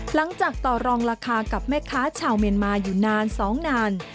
หลังจากต่อรองราคากับแม่ค้าชาวเมียนมาอยู่นาน